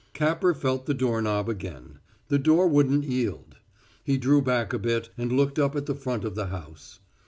Capper felt the doorknob again; the door wouldn't yield. He drew back a bit and looked up at the front of the house.